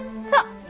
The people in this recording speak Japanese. そう。